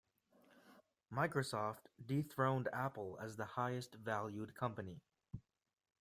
Microsoft dethroned Apple as the highest valued company.